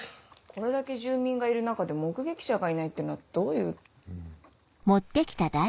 これだけ住民がいる中で目撃者がいないってのはどういう。